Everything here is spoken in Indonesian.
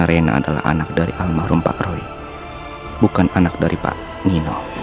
karena rena adalah anak dari almarhum pak roy bukan anak dari pak nino